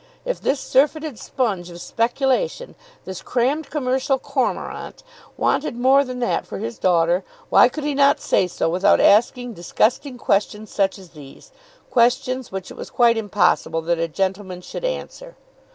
If this surfeited sponge of speculation, this crammed commercial cormorant, wanted more than that for his daughter, why could he not say so without asking disgusting questions such as these, questions which it was quite impossible that a gentleman should answer?